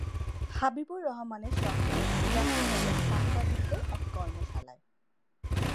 হাবিবুর রহমানের সঙ্গে দেখা হলো সাংবাদিকদের এক কর্মশালায়।